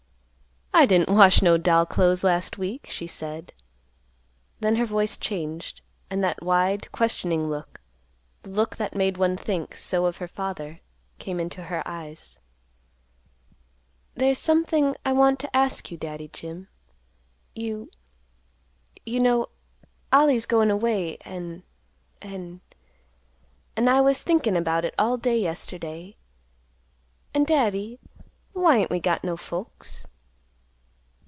"I didn't wash no doll clothes last week," she said. Then her voice changed, and that wide, questioning look, the look that made one think so of her father, came into her eyes. "There's something I want to ask you, Daddy Jim. You—you know—Ollie's goin' away, an'—an'—an' I was thinkin' about it all day yesterday, an', Daddy, why ain't we got no folks?"